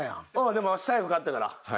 でもわし最後勝ったから。